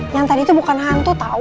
yang tadi itu bukan hantu tahu